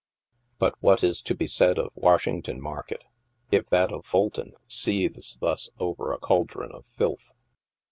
But what is to be said of Washington market, if that of Fulton seethes thus over a caldron of filth